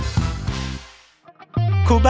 hmm udah satunya